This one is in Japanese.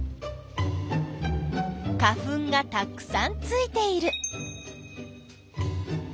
花粉がたくさんついている。